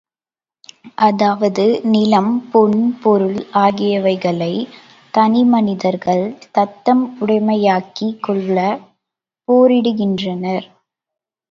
அதாவது நிலம், பொன், பொருள் ஆகியவைகளைத் தனிமனிதர்கள் தத்தம் உடைமையாக்கிக் கொள்ளப் போரிடுகின்றனர்.